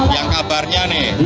yang kabarnya nih